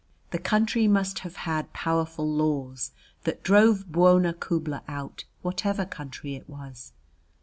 The country must have had powerful laws that drove Bwona Khubla out, whatever country it was.